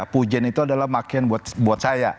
pujian itu adalah makian buat saya